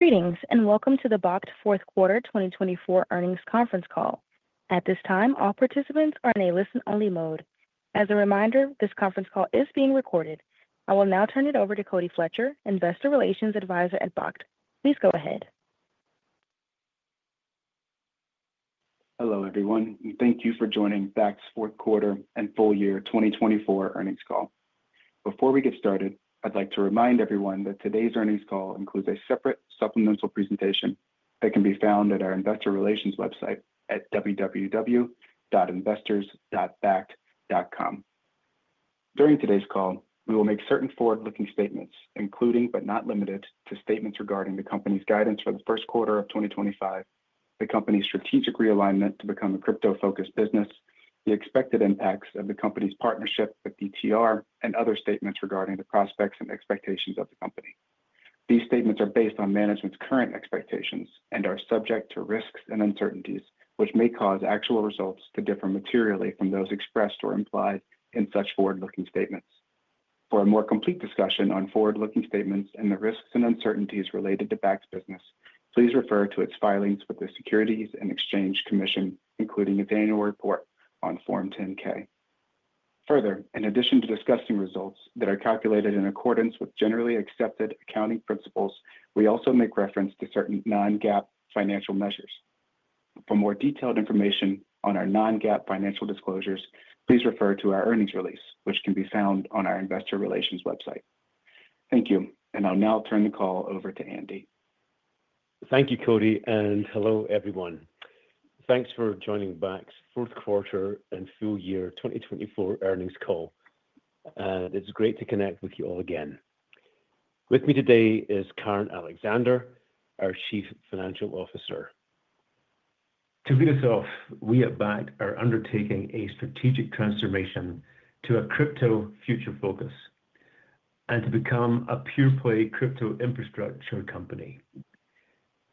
Greetings and welcome to the Bakkt Fourth Quarter 2024 earnings conference call. At this time, all participants are in a listen-only mode. As a reminder, this conference call is being recorded. I will now turn it over to Cody Fletcher, Investor Relations Advisor at Bakkt. Please go ahead. Hello, everyone. Thank you for joining Bakkt's Fourth Quarter and Full Year 2024 earnings call. Before we get started, I'd like to remind everyone that today's earnings call includes a separate supplemental presentation that can be found at our Investor Relations website at www.investors.bakkt.com. During today's call, we will make certain forward-looking statements, including but not limited to statements regarding the company's guidance for the first quarter of 2025, the company's strategic realignment to become a crypto-focused business, the expected impacts of the company's partnership with DTR, and other statements regarding the prospects and expectations of the company. These statements are based on management's current expectations and are subject to risks and uncertainties, which may cause actual results to differ materially from those expressed or implied in such forward-looking statements. For a more complete discussion on forward-looking statements and the risks and uncertainties related to Bakkt's business, please refer to its filings with the Securities and Exchange Commission, including its annual report on Form 10-K. Further, in addition to discussing results that are calculated in accordance with generally accepted accounting principles, we also make reference to certain non-GAAP financial measures. For more detailed information on our non-GAAP financial disclosures, please refer to our earnings release, which can be found on our Investor Relations website. Thank you, and I'll now turn the call over to Andy. Thank you, Cody, and hello, everyone. Thanks for joining Bakkt's fourth quarter and full year 2024 earnings call. It's great to connect with you all again. With me today is Karen Alexander, our Chief Financial Officer. To lead us off, we at Bakkt are undertaking a strategic transformation to a crypto-future focus and to become a pure-play crypto infrastructure company.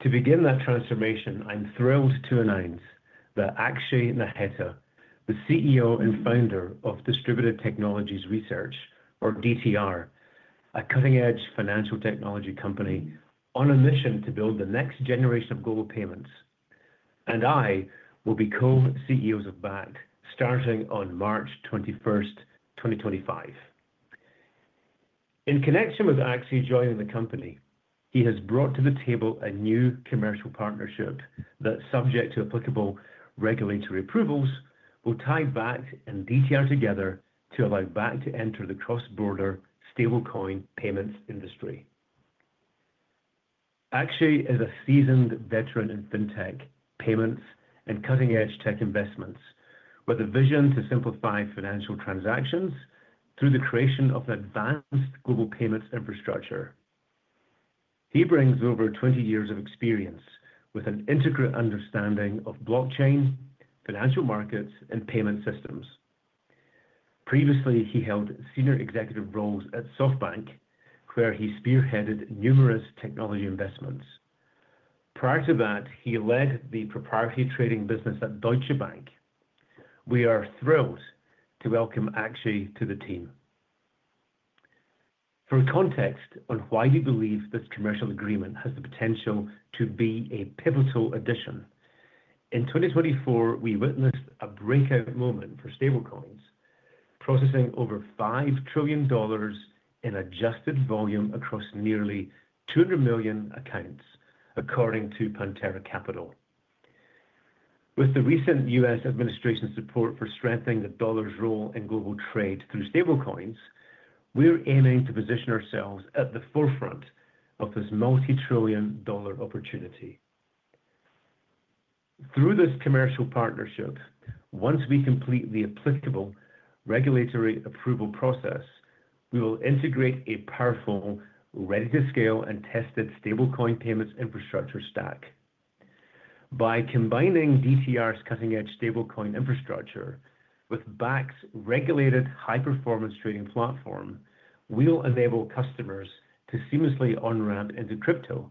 To begin that transformation, I'm thrilled to announce that Akshay Naheta, the CEO and founder of Distributed Technologies Research, or DTR, a cutting-edge financial technology company on a mission to build the next generation of global payments, and I will be co-CEOs of Bakkt starting on March 21st, 2025. In connection with Akshay joining the company, he has brought to the table a new commercial partnership that, subject to applicable regulatory approvals, will tie Bakkt and DTR together to allow Bakkt to enter the cross-border stablecoin payments industry. Akshay is a seasoned veteran in fintech, payments, and cutting-edge tech investments, with a vision to simplify financial transactions through the creation of an advanced global payments infrastructure. He brings over 20 years of experience with an integral understanding of blockchain, financial markets, and payment systems. Previously, he held senior executive roles at SoftBank, where he spearheaded numerous technology investments. Prior to that, he led the proprietary trading business at Deutsche Bank. We are thrilled to welcome Akshay to the team. For context on why we believe this commercial agreement has the potential to be a pivotal addition, in 2024, we witnessed a breakout moment for stablecoins, processing over $5 trillion in adjusted volume across nearly 200 million accounts, according to Pantera Capital. With the recent U.S. Administration's support for strengthening the dollar's role in global trade through stablecoins, we're aiming to position ourselves at the forefront of this multi-trillion dollar opportunity. Through this commercial partnership, once we complete the applicable regulatory approval process, we will integrate a powerful, ready-to-scale and tested stablecoin payments infrastructure stack. By combining DTR's cutting-edge stablecoin infrastructure with Bakkt's regulated high-performance trading platform, we'll enable customers to seamlessly on-ramp into crypto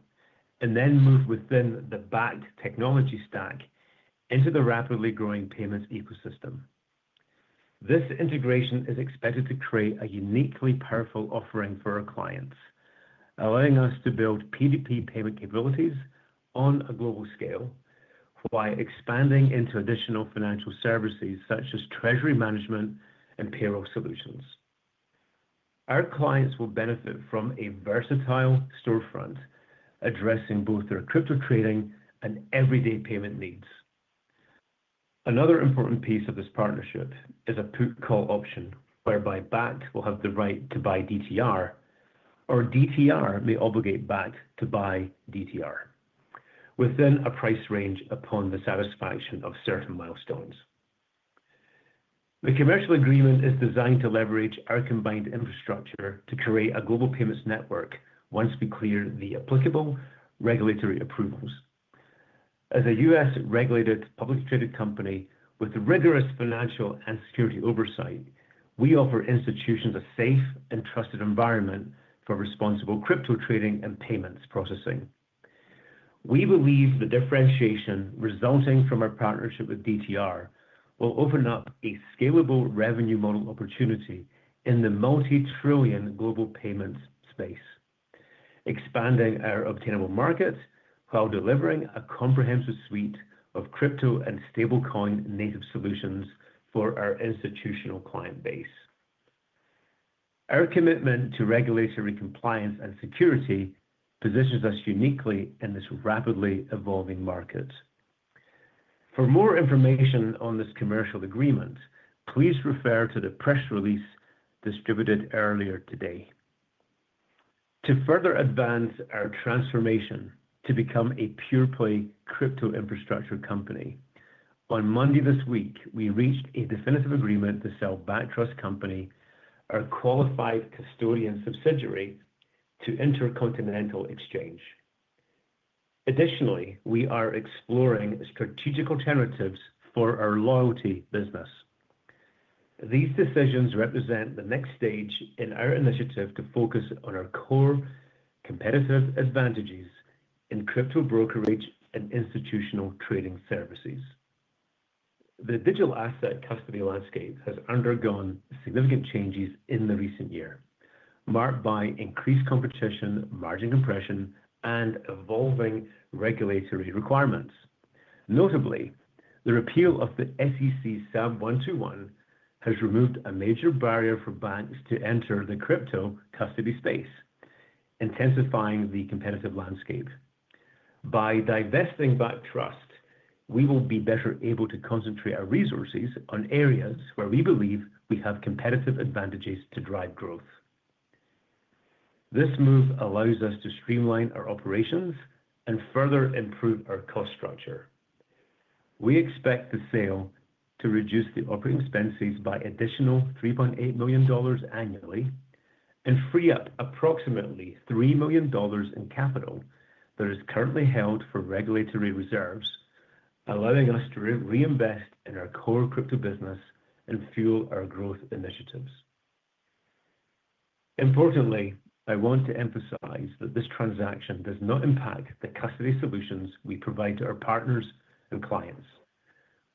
and then move within the Bakkt technology stack into the rapidly growing payments ecosystem. This integration is expected to create a uniquely powerful offering for our clients, allowing us to build P2P payment capabilities on a global scale while expanding into additional financial services such as treasury management and payroll solutions. Our clients will benefit from a versatile storefront addressing both their crypto trading and everyday payment needs. Another important piece of this partnership is a put-call option whereby Bakkt will have the right to buy DTR, or DTR may obligate Bakkt to buy DTR within a price range upon the satisfaction of certain milestones. The commercial agreement is designed to leverage our combined infrastructure to create a global payments network once we clear the applicable regulatory approvals. As a U.S.-regulated publicly traded company with rigorous financial and security oversight, we offer institutions a safe and trusted environment for responsible crypto trading and payments processing. We believe the differentiation resulting from our partnership with DTR will open up a scalable revenue model opportunity in the multi-trillion global payments space, expanding our obtainable markets while delivering a comprehensive suite of crypto and stablecoin native solutions for our institutional client base. Our commitment to regulatory compliance and security positions us uniquely in this rapidly evolving market. For more information on this commercial agreement, please refer to the press release distributed earlier today. To further advance our transformation to become a pure-play crypto infrastructure company, on Monday this week, we reached a definitive agreement to sell Bakkt Trust Company, our qualified custodian subsidiary, to Intercontinental Exchange. Additionally, we are exploring strategic alternatives for our loyalty business. These decisions represent the next stage in our initiative to focus on our core competitive advantages in crypto brokerage and institutional trading services. The digital asset custody landscape has undergone significant changes in the recent year, marked by increased competition, margin compression, and evolving regulatory requirements. Notably, the repeal of the SEC SAB 121 has removed a major barrier for banks to enter the crypto custody space, intensifying the competitive landscape. By divesting Bakkt Trust, we will be better able to concentrate our resources on areas where we believe we have competitive advantages to drive growth. This move allows us to streamline our operations and further improve our cost structure. We expect the sale to reduce the operating expenses by an additional $3.8 million annually and free up approximately $3 million in capital that is currently held for regulatory reserves, allowing us to reinvest in our core crypto business and fuel our growth initiatives. Importantly, I want to emphasize that this transaction does not impact the custody solutions we provide to our partners and clients.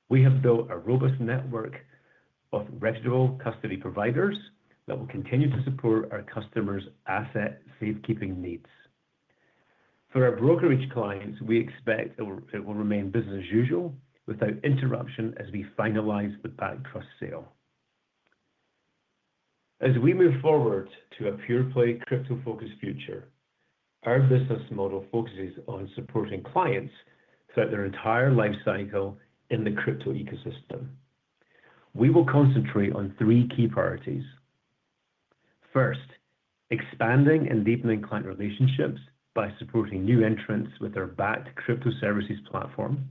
We have built a robust network of reputable custody providers that will continue to support our customers' asset safekeeping needs. For our brokerage clients, we expect it will remain business as usual without interruption as we finalize the Bakkt Trust sale. As we move forward to a pure-play crypto-focused future, our business model focuses on supporting clients throughout their entire lifecycle in the crypto ecosystem. We will concentrate on three key priorities. First, expanding and deepening client relationships by supporting new entrants with our Bakkt crypto services platform.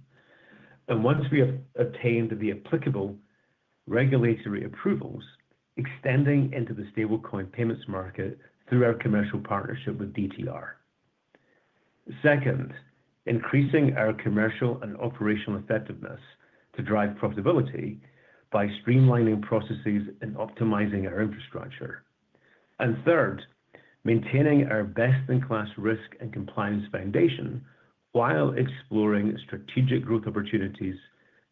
Once we have obtained the applicable regulatory approvals, extending into the stablecoin payments market through our commercial partnership with DTR. Second, increasing our commercial and operational effectiveness to drive profitability by streamlining processes and optimizing our infrastructure. Third, maintaining our best-in-class risk and compliance foundation while exploring strategic growth opportunities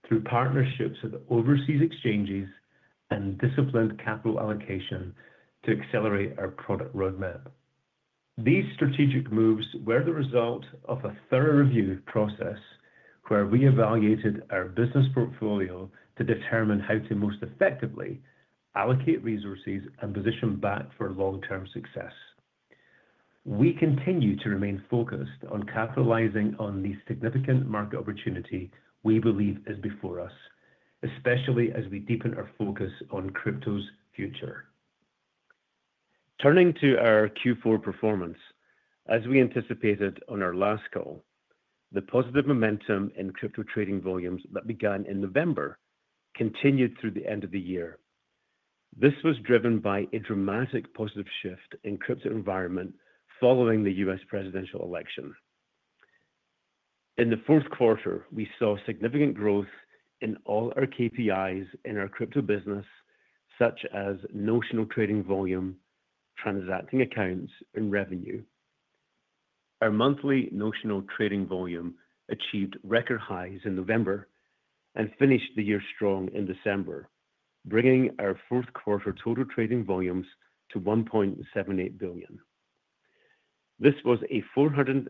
through partnerships with overseas exchanges and disciplined capital allocation to accelerate our product roadmap. These strategic moves were the result of a thorough review process where we evaluated our business portfolio to determine how to most effectively allocate resources and position Bakkt for long-term success. We continue to remain focused on capitalizing on the significant market opportunity we believe is before us, especially as we deepen our focus on crypto's future. Turning to our Q4 performance, as we anticipated on our last call, the positive momentum in crypto trading volumes that began in November continued through the end of the year. This was driven by a dramatic positive shift in the crypto environment following the U.S. presidential election. In the fourth quarter, we saw significant growth in all our KPIs in our crypto business, such as notional trading volume, transacting accounts, and revenue. Our monthly notional trading volume achieved record highs in November and finished the year strong in December, bringing our fourth quarter total trading volumes to $1.78 billion. This was a 465%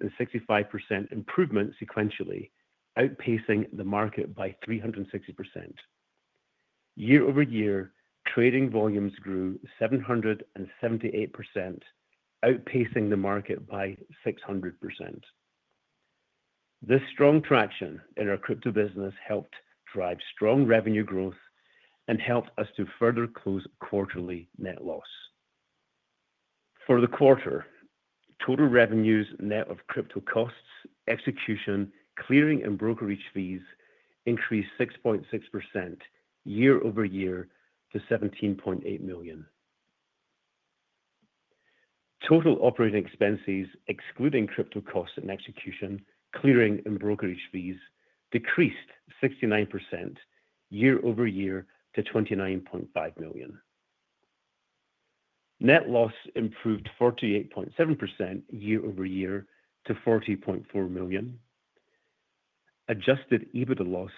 improvement sequentially, outpacing the market by 360%. Year over year, trading volumes grew 778%, outpacing the market by 600%. This strong traction in our crypto business helped drive strong revenue growth and helped us to further close quarterly net loss. For the quarter, total revenues net of crypto costs, execution, clearing, and brokerage fees increased 6.6% year over year to $17.8 million. Total operating expenses, excluding crypto costs and execution, clearing, and brokerage fees decreased 69% year over year to $29.5 million. Net loss improved 48.7% year over year to $40.4 million. Adjusted EBITDA loss,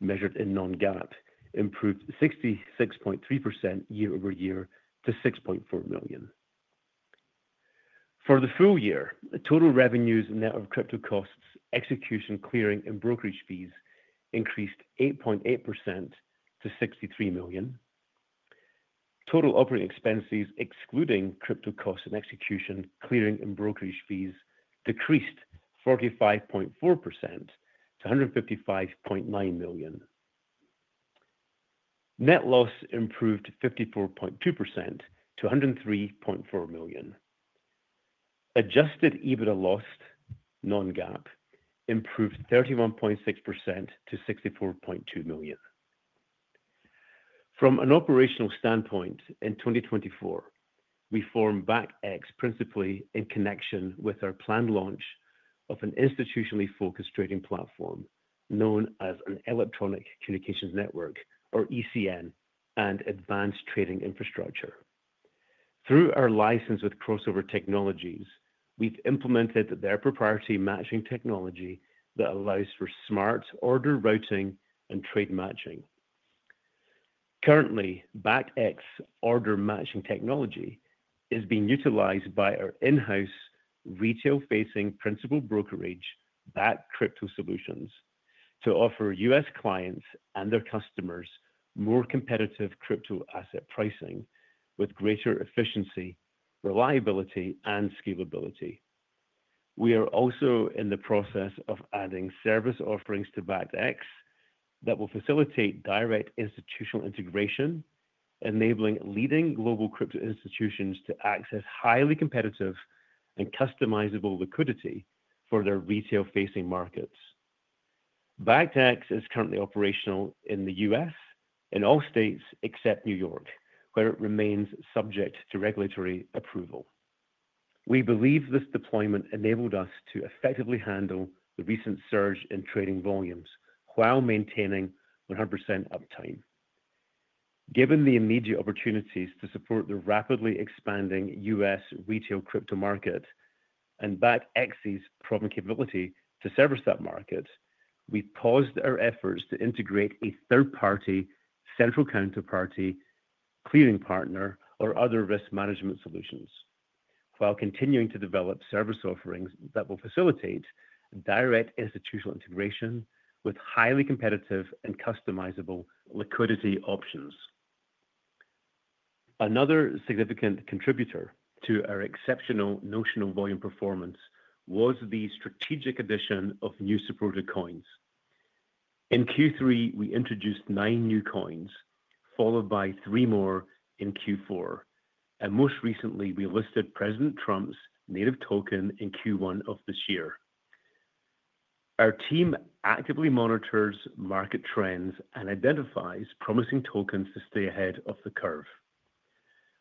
measured in non-GAAP, improved 66.3% year over year to $6.4 million. For the full year, total revenues net of crypto costs, execution, clearing, and brokerage fees increased 8.8% to $63 million. Total operating expenses, excluding crypto costs and execution, clearing, and brokerage fees decreased 45.4% to $155.9 million. Net loss improved 54.2% to $103.4 million. Adjusted EBITDA loss, non-GAAP, improved 31.6% to $64.2 million. From an operational standpoint, in 2024, we formed BakktX principally in connection with our planned launch of an institutionally focused trading platform known as an electronic communications network, or ECN, and advanced trading infrastructure. Through our license with Crossover Technologies, we've implemented their proprietary matching technology that allows for smart order routing and trade matching. Currently, BakktX order matching technology is being utilized by our in-house retail-facing principal brokerage, Bakkt Crypto Solutions, to offer U.S. clients and their customers more competitive crypto asset pricing with greater efficiency, reliability, and scalability. We are also in the process of adding service offerings to BakktX that will facilitate direct institutional integration, enabling leading global crypto institutions to access highly competitive and customizable liquidity for their retail-facing markets. BakktX is currently operational in the U.S. in all states except New York, where it remains subject to regulatory approval. We believe this deployment enabled us to effectively handle the recent surge in trading volumes while maintaining 100% uptime. Given the immediate opportunities to support the rapidly expanding U.S. retail crypto market and BakktX's probing capability to service that market, we've paused our efforts to integrate a third-party central counterparty, clearing partner, or other risk management solutions while continuing to develop service offerings that will facilitate direct institutional integration with highly competitive and customizable liquidity options. Another significant contributor to our exceptional notional volume performance was the strategic addition of new supported coins. In Q3, we introduced nine new coins, followed by three more in Q4. Most recently, we listed President Trump's native token in Q1 of this year. Our team actively monitors market trends and identifies promising tokens to stay ahead of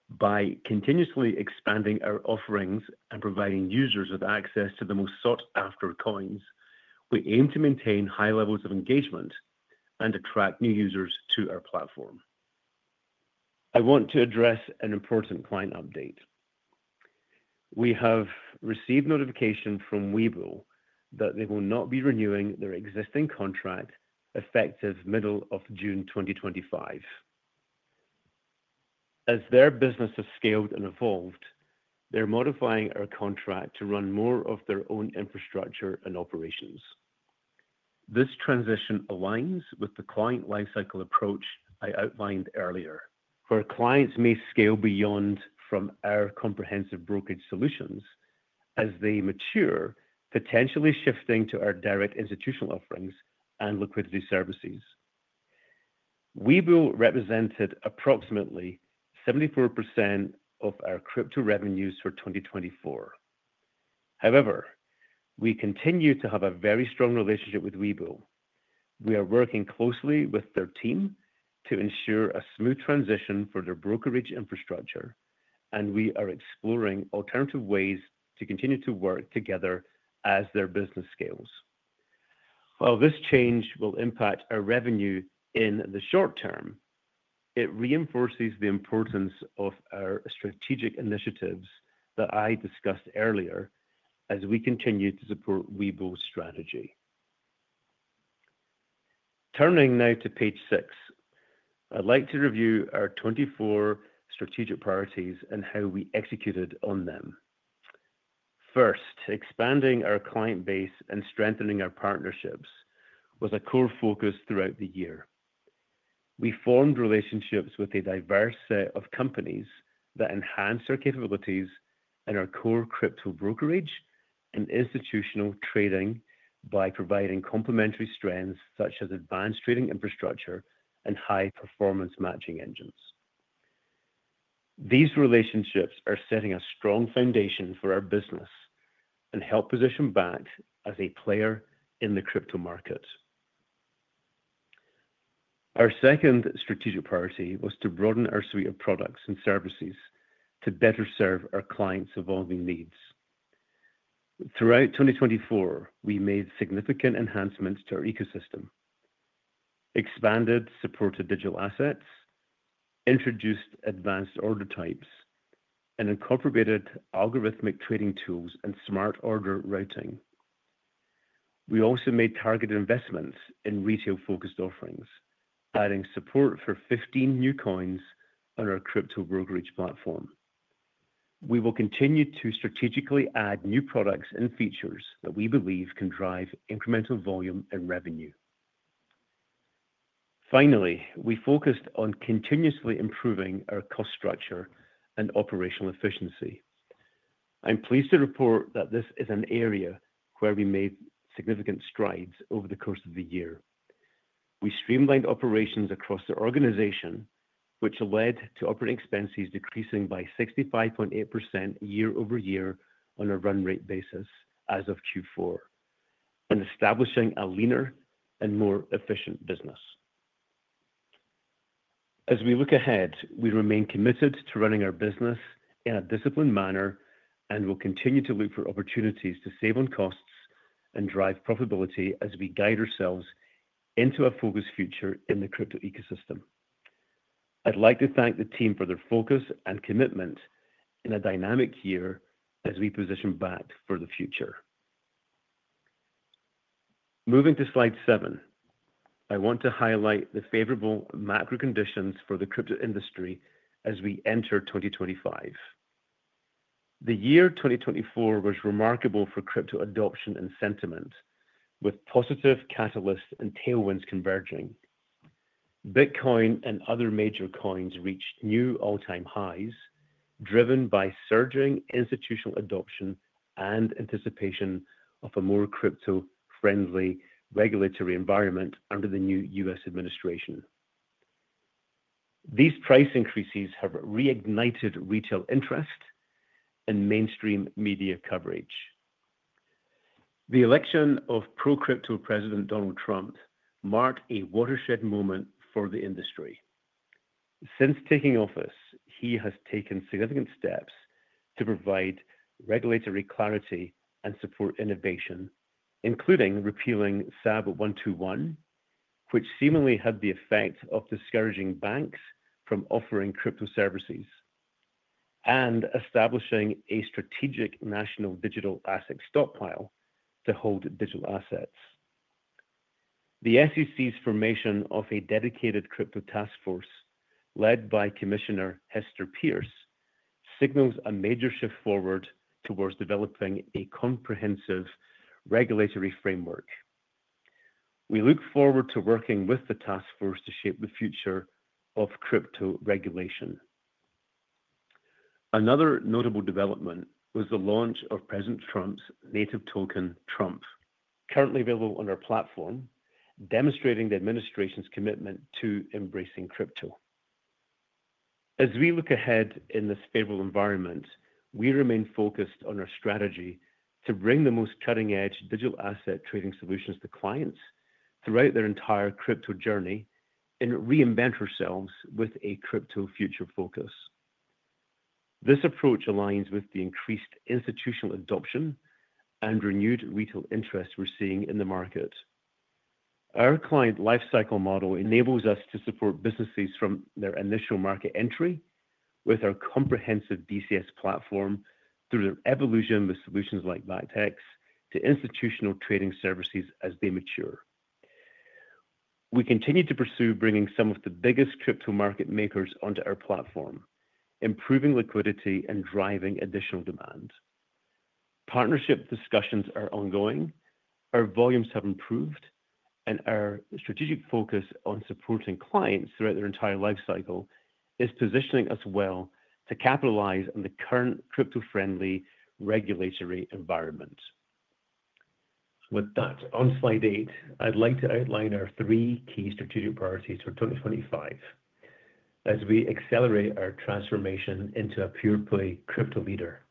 the curve. By continuously expanding our offerings and providing users with access to the most sought-after coins, we aim to maintain high levels of engagement and attract new users to our platform. I want to address an important client update. We have received notification from Webull that they will not be renewing their existing contract effective middle of June 2025. As their business has scaled and evolved, they're modifying our contract to run more of their own infrastructure and operations. This transition aligns with the client lifecycle approach I outlined earlier, where clients may scale beyond from our comprehensive brokerage solutions as they mature, potentially shifting to our direct institutional offerings and liquidity services. Webull represented approximately 74% of our crypto revenues for 2024. However, we continue to have a very strong relationship with Webull. We are working closely with their team to ensure a smooth transition for their brokerage infrastructure, and we are exploring alternative ways to continue to work together as their business scales. While this change will impact our revenue in the short term, it reinforces the importance of our strategic initiatives that I discussed earlier as we continue to support Webull's strategy. Turning now to page six, I'd like to review our 2024 strategic priorities and how we executed on them. First, expanding our client base and strengthening our partnerships was a core focus throughout the year. We formed relationships with a diverse set of companies that enhanced our capabilities in our core crypto brokerage and institutional trading by providing complementary strengths such as advanced trading infrastructure and high-performance matching engines. These relationships are setting a strong foundation for our business and help position Bakkt as a player in the crypto market. Our second strategic priority was to broaden our suite of products and services to better serve our clients' evolving needs. Throughout 2024, we made significant enhancements to our ecosystem, expanded supported digital assets, introduced advanced order types, and incorporated algorithmic trading tools and smart order routing. We also made targeted investments in retail-focused offerings, adding support for 15 new coins on our crypto brokerage platform. We will continue to strategically add new products and features that we believe can drive incremental volume and revenue. Finally, we focused on continuously improving our cost structure and operational efficiency. I'm pleased to report that this is an area where we made significant strides over the course of the year. We streamlined operations across the organization, which led to operating expenses decreasing by 65.8% year over year on a run rate basis as of Q4 and establishing a leaner and more efficient business. As we look ahead, we remain committed to running our business in a disciplined manner and will continue to look for opportunities to save on costs and drive profitability as we guide ourselves into a focused future in the crypto ecosystem. I'd like to thank the team for their focus and commitment in a dynamic year as we position Bakkt for the future. Moving to slide seven, I want to highlight the favorable macro conditions for the crypto industry as we enter 2025. The year 2024 was remarkable for crypto adoption and sentiment, with positive catalysts and tailwinds converging. Bitcoin and other major coins reached new all-time highs, driven by surging institutional adoption and anticipation of a more crypto-friendly regulatory environment under the new U.S. administration. These price increases have reignited retail interest and mainstream media coverage. The election of pro-crypto President Donald Trump marked a watershed moment for the industry. Since taking office, he has taken significant steps to provide regulatory clarity and support innovation, including repealing SAB 121, which seemingly had the effect of discouraging banks from offering crypto services, and establishing a strategic national digital asset stockpile to hold digital assets. The SEC's formation of a dedicated crypto task force led by Commissioner Hester Peirce signals a major shift forward towards developing a comprehensive regulatory framework. We look forward to working with the task force to shape the future of crypto regulation. Another notable development was the launch of President Trump's native token, Trump, currently available on our platform, demonstrating the administration's commitment to embracing crypto. As we look ahead in this favorable environment, we remain focused on our strategy to bring the most cutting-edge digital asset trading solutions to clients throughout their entire crypto journey and reinvent ourselves with a crypto future focus. This approach aligns with the increased institutional adoption and renewed retail interest we're seeing in the market. Our client lifecycle model enables us to support businesses from their initial market entry with our comprehensive BCS platform through their evolution with solutions like BakktX to institutional trading services as they mature. We continue to pursue bringing some of the biggest crypto market makers onto our platform, improving liquidity and driving additional demand. Partnership discussions are ongoing, our volumes have improved, and our strategic focus on supporting clients throughout their entire lifecycle is positioning us well to capitalize on the current crypto-friendly regulatory environment. With that on slide eight, I'd like to outline our three key strategic priorities for 2025 as we accelerate our transformation into a pure-play crypto leader.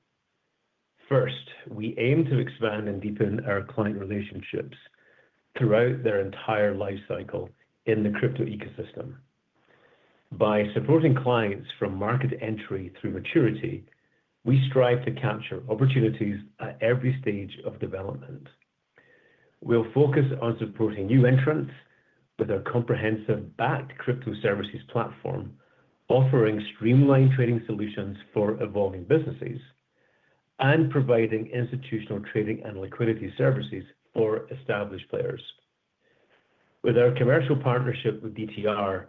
First, we aim to expand and deepen our client relationships throughout their entire lifecycle in the crypto ecosystem. By supporting clients from market entry through maturity, we strive to capture opportunities at every stage of development. We'll focus on supporting new entrants with our comprehensive Bakkt crypto services platform, offering streamlined trading solutions for evolving businesses and providing institutional trading and liquidity services for established players. With our commercial partnership with DTR,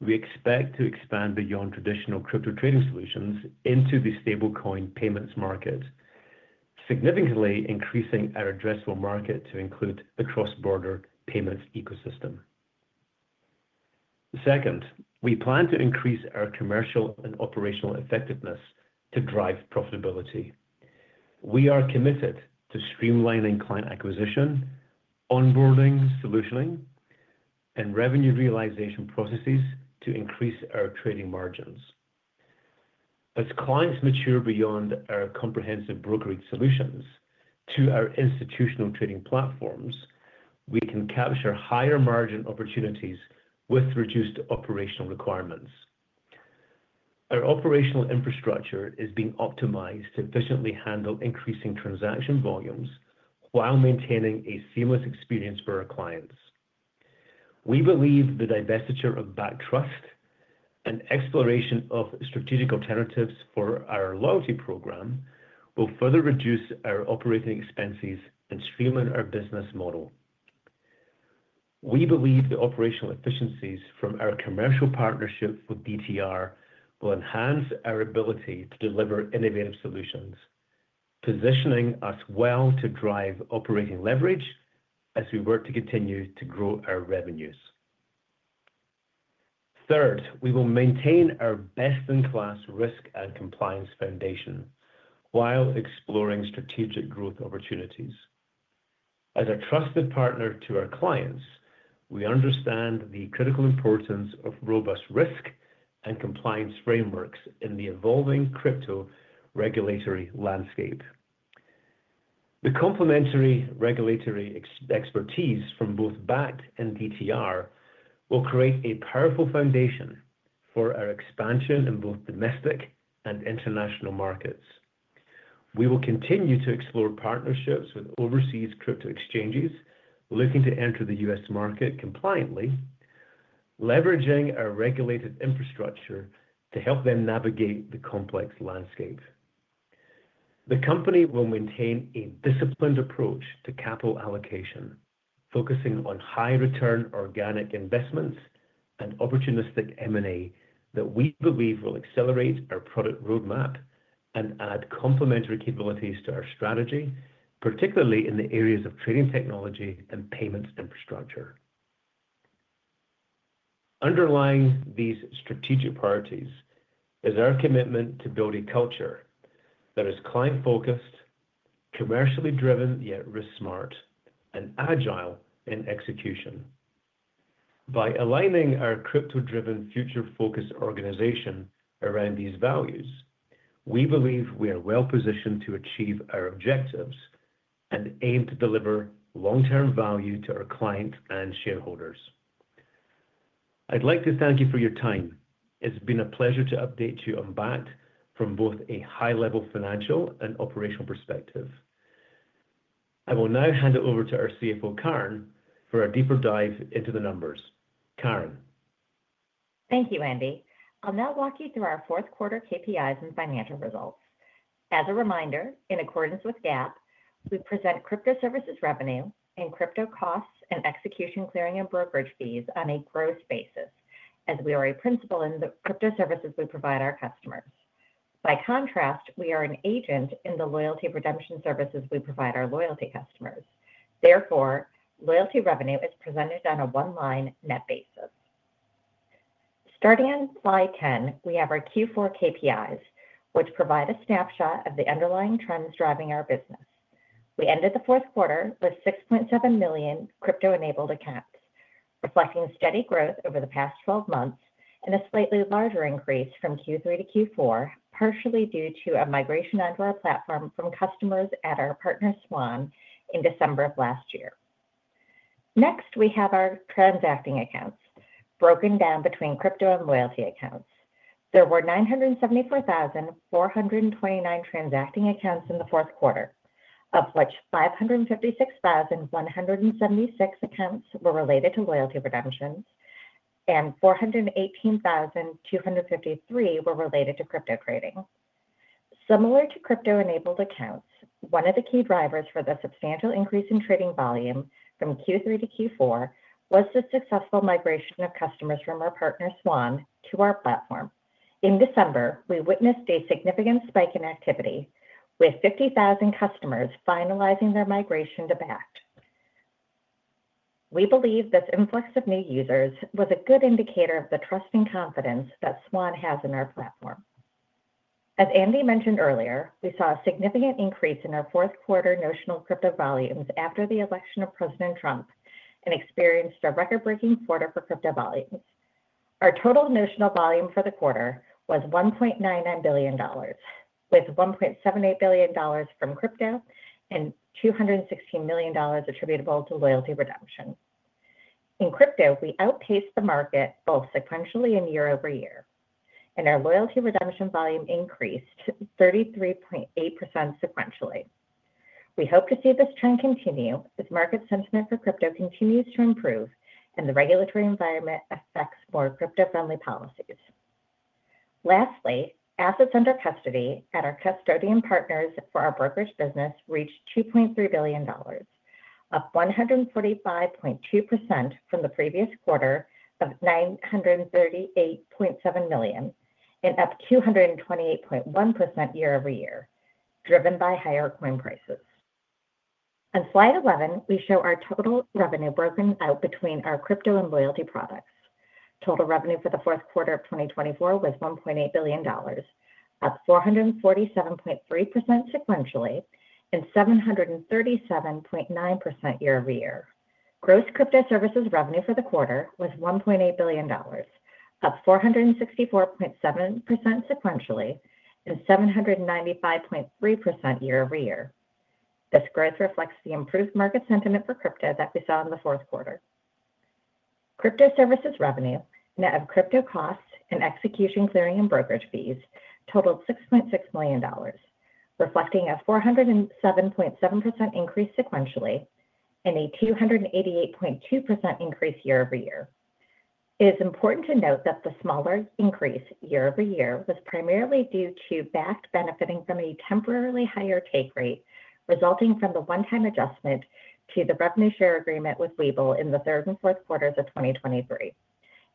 we expect to expand beyond traditional crypto trading solutions into the stablecoin payments market, significantly increasing our addressable market to include the cross-border payments ecosystem. Second, we plan to increase our commercial and operational effectiveness to drive profitability. We are committed to streamlining client acquisition, onboarding, solutioning, and revenue realization processes to increase our trading margins. As clients mature beyond our comprehensive brokerage solutions to our institutional trading platforms, we can capture higher margin opportunities with reduced operational requirements. Our operational infrastructure is being optimized to efficiently handle increasing transaction volumes while maintaining a seamless experience for our clients. We believe the divestiture of Bakkt Trust and exploration of strategic alternatives for our loyalty program will further reduce our operating expenses and streamline our business model. We believe the operational efficiencies from our commercial partnership with DTR will enhance our ability to deliver innovative solutions, positioning us well to drive operating leverage as we work to continue to grow our revenues. Third, we will maintain our best-in-class risk and compliance foundation while exploring strategic growth opportunities. As a trusted partner to our clients, we understand the critical importance of robust risk and compliance frameworks in the evolving crypto regulatory landscape. The complementary regulatory expertise from both Bakkt and DTR will create a powerful foundation for our expansion in both domestic and international markets. We will continue to explore partnerships with overseas crypto exchanges looking to enter the U.S. market compliantly, leveraging our regulated infrastructure to help them navigate the complex landscape. The company will maintain a disciplined approach to capital allocation, focusing on high-return organic investments and opportunistic M&A that we believe will accelerate our product roadmap and add complementary capabilities to our strategy, particularly in the areas of trading technology and payments infrastructure. Underlying these strategic priorities is our commitment to build a culture that is client-focused, commercially driven, yet risk-smart, and agile in execution. By aligning our crypto-driven future-focused organization around these values, we believe we are well-positioned to achieve our objectives and aim to deliver long-term value to our clients and shareholders. I'd like to thank you for your time. It's been a pleasure to update you on Bakkt from both a high-level financial and operational perspective. I will now hand it over to our CFO, Karen, for a deeper dive into the numbers. Karen. Thank you, Andy. I'll now walk you through our fourth quarter KPIs and financial results. As a reminder, in accordance with GAAP, we present crypto services revenue and crypto costs and execution clearing and brokerage fees on a gross basis as we are a principal in the crypto services we provide our customers. By contrast, we are an agent in the loyalty redemption services we provide our loyalty customers. Therefore, loyalty revenue is presented on a one-line net basis. Starting on slide 10, we have our Q4 KPIs, which provide a snapshot of the underlying trends driving our business. We ended the fourth quarter with 6.7 million crypto-enabled accounts, reflecting steady growth over the past 12 months and a slightly larger increase from Q3-Q4, partially due to a migration onto our platform from customers at our partner Swan in December of last year. Next, we have our transacting accounts broken down between crypto and loyalty accounts. There were 974,429 transacting accounts in the fourth quarter, of which 556,176 accounts were related to loyalty redemptions and 418,253 were related to crypto trading. Similar to crypto-enabled accounts, one of the key drivers for the substantial increase in trading volume from Q3 tQ4 was the successful migration of customers from our partner Swan to our platform. In December, we witnessed a significant spike in activity, with 50,000 customers finalizing their migration to Bakkt. We believe this influx of new users was a good indicator of the trust and confidence that Swan has in our platform. As Andy mentioned earlier, we saw a significant increase in our fourth quarter notional crypto volumes after the election of President Trump and experienced a record-breaking quarter for crypto volumes. Our total notional volume for the quarter was $1.99 billion, with $1.78 billion from crypto and $216 million attributable to loyalty redemption. In crypto, we outpaced the market both sequentially and year over year, and our loyalty redemption volume increased 33.8% sequentially. We hope to see this trend continue as market sentiment for crypto continues to improve and the regulatory environment affects more crypto-friendly policies. Lastly, assets under custody at our custodian partners for our brokerage business reached $2.3 billion, up 145.2% from the previous quarter of $938.7 million and up 228.1% year over year, driven by higher coin prices. On slide 11, we show our total revenue broken out between our crypto and loyalty products. Total revenue for the fourth quarter of 2024 was $1.8 billion, up 447.3% sequentially and 737.9% year over year. Gross crypto services revenue for the quarter was $1.8 billion, up 464.7% sequentially and 795.3% year over year. This growth reflects the improved market sentiment for crypto that we saw in the fourth quarter. Crypto services revenue, net of crypto costs and execution clearing and brokerage fees, totaled $6.6 million, reflecting a 407.7% increase sequentially and a 288.2% increase year over year. It is important to note that the smaller increase year over year was primarily due to Bakkt benefiting from a temporarily higher take rate resulting from the one-time adjustment to the revenue share agreement with Webull in the third and fourth quarters of 2023.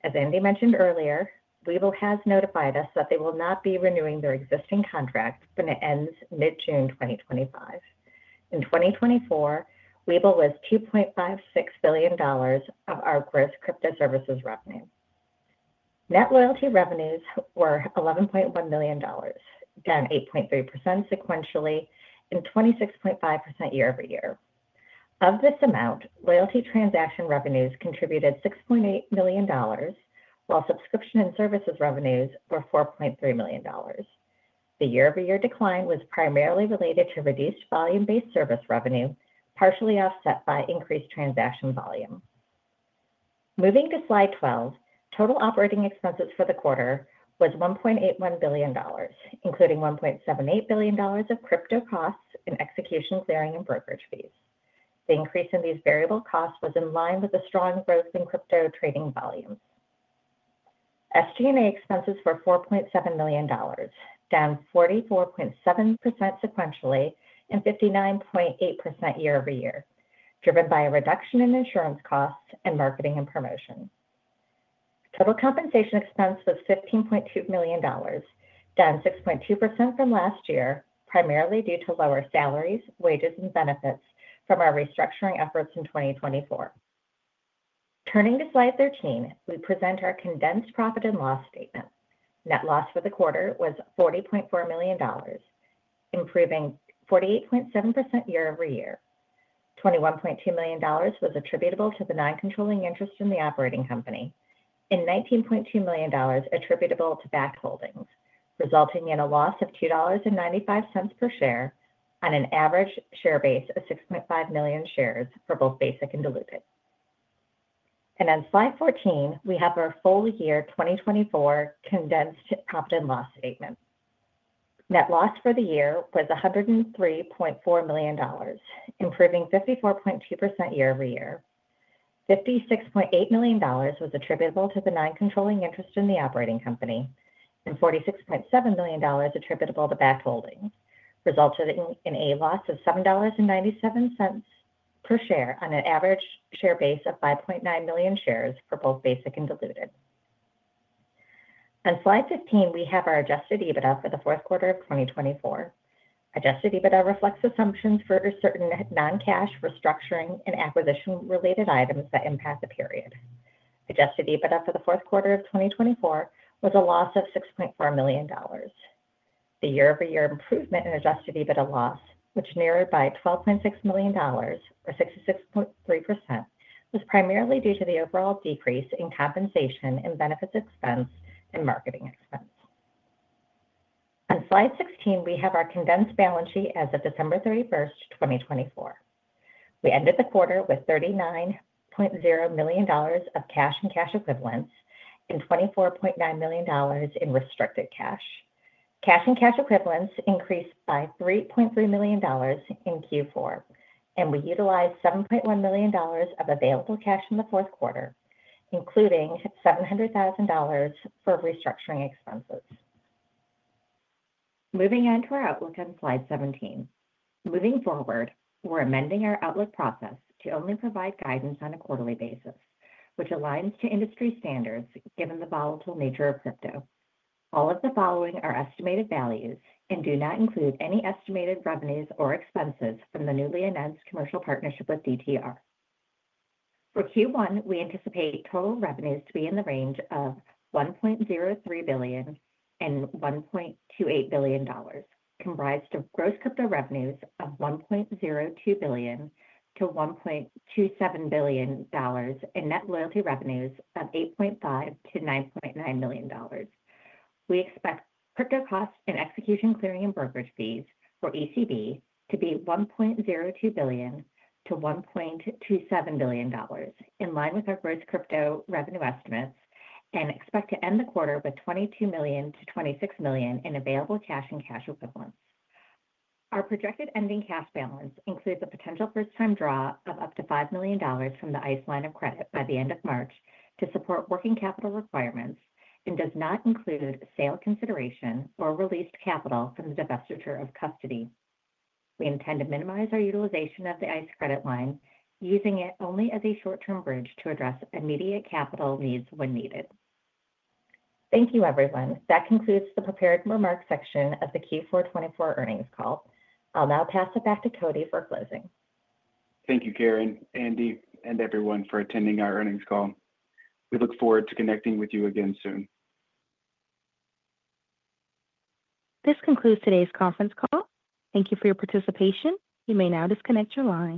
As Andy mentioned earlier, Webull has notified us that they will not be renewing their existing contract when it ends mid-June 2025. In 2024, Webull was $2.56 billion of our gross crypto services revenue. Net loyalty revenues were $11.1 million, down 8.3% sequentially and 26.5% year over year. Of this amount, loyalty transaction revenues contributed $6.8 million, while subscription and services revenues were $4.3 million. The year-over-year decline was primarily related to reduced volume-based service revenue, partially offset by increased transaction volume. Moving to slide 12, total operating expenses for the quarter was $1.81 billion, including $1.78 billion of crypto costs and execution clearing and brokerage fees. The increase in these variable costs was in line with the strong growth in crypto trading volumes. SG&A expenses were $4.7 million, down 44.7% sequentially and 59.8% year over year, driven by a reduction in insurance costs and marketing and promotion. Total compensation expense was $15.2 million, down 6.2% from last year, primarily due to lower salaries, wages, and benefits from our restructuring efforts in 2024. Turning to slide 13, we present our condensed profit and loss statement. Net loss for the quarter was $40.4 million, improving 48.7% year over year. $21.2 million was attributable to the non-controlling interest in the operating company and $19.2 million attributable to Bakkt Holdings, resulting in a loss of $2.95 per share on an average share base of 6.5 million shares for both basic and diluted. On slide 14, we have our full year 2024 condensed profit and loss statement. Net loss for the year was $103.4 million, improving 54.2% year over year. $56.8 million was attributable to the non-controlling interest in the operating company and $46.7 million attributable to Bakkt Holdings, resulting in a loss of $7.97 per share on an average share base of 5.9 million shares for both basic and diluted. On slide 15, we have our adjusted EBITDA for the fourth quarter of 2024. Adjusted EBITDA reflects assumptions for certain non-cash restructuring and acquisition-related items that impact the period. Adjusted EBITDA for the fourth quarter of 2024 was a loss of $6.4 million. The year-over-year improvement in adjusted EBITDA loss, which narrowed by $12.6 million or 66.3%, was primarily due to the overall decrease in compensation and benefits expense and marketing expense. On slide 16, we have our condensed balance sheet as of December 31, 2024. We ended the quarter with $39.0 million of cash and cash equivalents and $24.9 million in restricted cash. Cash and cash equivalents increased by $3.3 million in Q4, and we utilized $7.1 million of available cash in the fourth quarter, including $700,000 for restructuring expenses. Moving on to our outlook on slide 17. Moving forward, we're amending our outlook process to only provide guidance on a quarterly basis, which aligns to industry standards given the volatile nature of crypto. All of the following are estimated values and do not include any estimated revenues or expenses from the newly announced commercial partnership with DTR. For Q1, we anticipate total revenues to be in the range of $1.03 billion-$1.28 billion, comprised of gross crypto revenues of $1.02 billion-$1.27 billion and net loyalty revenues of $8.5-$9.9 million. We expect crypto costs and execution clearing and brokerage fees for ECB to be $1.02 billion-$1.27 billion, in line with our gross crypto revenue estimates, and expect to end the quarter with $22 million-$26 million in available cash and cash equivalents. Our projected ending cash balance includes a potential first-time draw of up to $5 million from the ICE line of credit by the end of March to support working capital requirements and does not include sale consideration or released capital from the divestiture of custody. We intend to minimize our utilization of the ICE credit line, using it only as a short-term bridge to address immediate capital needs when needed. Thank you, everyone. That concludes the prepared remarks section of the Q4 2024 earnings call. I'll now pass it back to Cody for closing. Thank you, Karen, Andy, and everyone for attending our earnings call. We look forward to connecting with you again soon. This concludes today's conference call. Thank you for your participation. You may now disconnect your line.